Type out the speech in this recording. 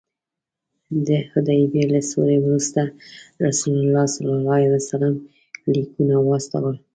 د حدیبیې له سولې وروسته رسول الله لیکونه واستول.